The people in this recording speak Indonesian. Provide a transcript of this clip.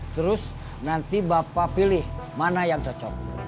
terus nanti bapak pilih mana yang cocok